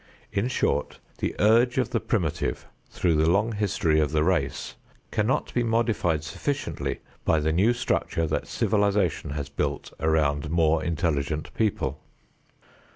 In short the urge of the primitive through the long history of the race cannot be modified sufficiently by the new structure that civilization has built around more intelligent people.